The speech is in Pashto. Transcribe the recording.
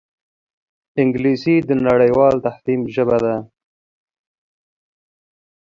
انګلیسي د نړیوال تفهیم ژبه ده